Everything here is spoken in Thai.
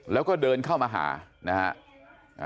แล้วก็เดินเข้ามาหานะฮะ